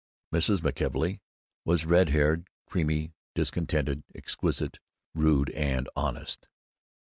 Mrs. McKelvey was red haired, creamy, discontented, exquisite, rude, and honest.